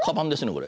これ？